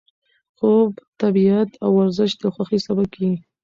خوب، طبیعت او ورزش د خوښۍ سبب کېږي.